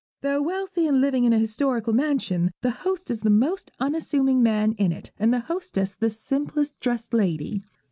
Though wealthy and living in an historical mansion, the host is the most unassuming man in it, and the hostess the simplest dressed lady.